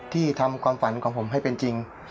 ที่ทำความฝันของผมให้เป็นจริง